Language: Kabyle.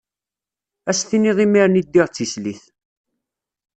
Ad as-tiniḍ imiren i ddiɣ d tislit.